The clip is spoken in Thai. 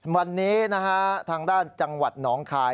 วันนี้นะฮะทางด้านจังหวัดหนองคาย